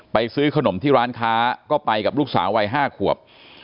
ซื้อขนมที่ร้านค้าก็ไปกับลูกสาววัย๕ขวบ